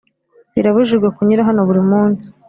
birabujijwe kunyura hano buri munsi